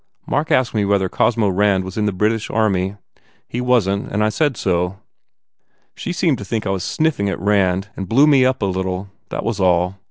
Mark asked me whether Cosmo Rand was in the British army. He wasn t and I said so. She seemed to think I was sniffing at Rand and blew me up a little. That was all.